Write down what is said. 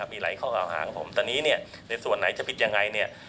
มีหลายข้อกล่าวหาของผมตอนนี้ในส่วนไหนจะผิดยังไง